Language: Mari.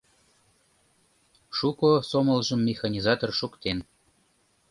Шуко сомылжым механизатор шуктен.